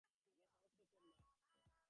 আপনার সাহস তো কম না!